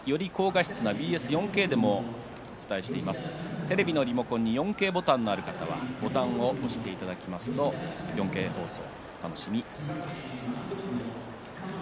テレビのリモコンに４Ｋボタンがある方はボタンを押していただければ４Ｋ放送をお楽しみいただけます。